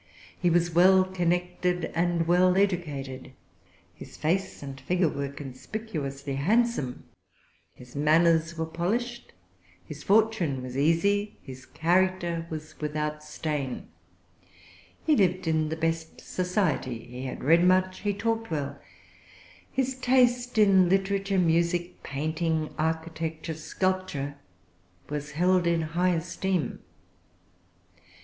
He was well connected and well educated. His face and figure were conspicuously handsome; his manners were polished; his fortune was easy; his character was without stain: he lived in the best society; he had read much; he talked well; his taste in literature, music, painting, architecture, sculpture, was held in high esteem.